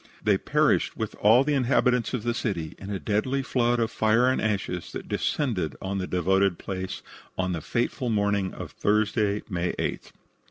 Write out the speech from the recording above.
They perished, with all the inhabitants of the city, in a deadly flood of fire and ashes that descended on the devoted place on the fateful morning of Thursday, May 8th.